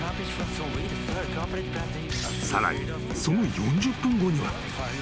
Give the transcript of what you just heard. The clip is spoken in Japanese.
［さらにその４０分後には］